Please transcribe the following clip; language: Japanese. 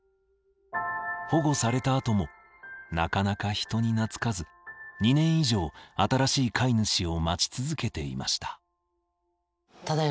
保護されたあともなかなか人に懐かず２年以上新しい飼い主を待ち続けていました。